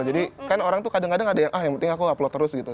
jadi kan orang tuh kadang kadang ada yang ah yang penting aku upload terus gitu